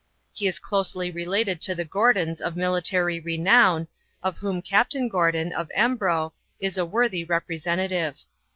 He is closely related to the Gordons of military renown, of whom Capt. Gordon, of Embro, is a worthy representative.